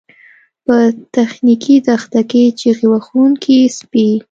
په تخنیکي دښته کې چیغې وهونکي سپي